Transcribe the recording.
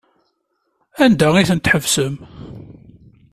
Anda ay tent-tḥebsem?